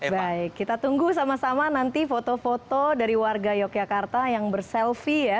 baik kita tunggu sama sama nanti foto foto dari warga yogyakarta yang berselfie ya